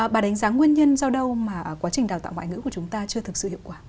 bà đánh giá nguyên nhân do đâu mà quá trình đào tạo ngoại ngữ của chúng ta chưa thực sự hiệu quả